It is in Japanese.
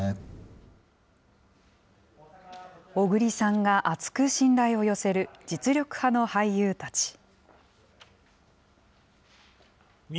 小栗さんが厚く信頼を寄せる実力派の俳優たち。